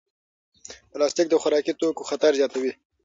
پلاستیک د خوراکي توکو خطر زیاتوي.